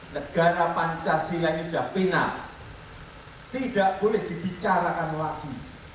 negara pancasila ini sudah final tidak boleh dibicarakan lagi